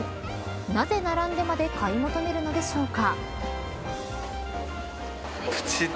なぜ、並んでまで買い求めるのでしょうか。